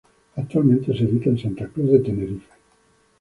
Actualmente se edita en Santa Cruz de Tenerife.